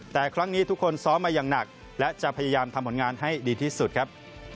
แต่ครั้งนี้ทุกคนซ้อมมาอย่างหนักและจะพยายามทำผลงานให้ดีที่สุดครับ